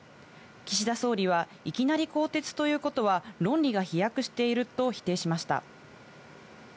岸田総理はいきなり更迭ということは論理が飛躍していると否定しました。